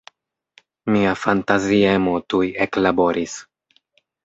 Mia fantaziemo tuj eklaboris.